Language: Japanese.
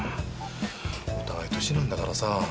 お互い年なんだからさ